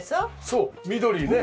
そう緑ね。